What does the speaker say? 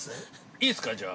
◆いいですか、じゃあ。